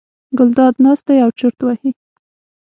ګلداد ناست دی او چورت وهي.